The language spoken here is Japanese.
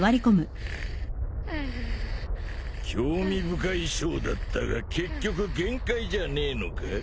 興味深いショーだったが結局限界じゃねえのか？